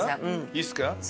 いいっすか？